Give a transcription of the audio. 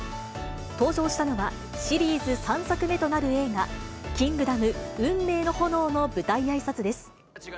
登場したのは、シリーズ３作目となる映画、キングダム運命の炎の舞台あいさつです。